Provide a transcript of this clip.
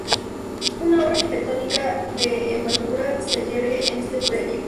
Una obra arquitectónica de envergadura se yergue en este predio.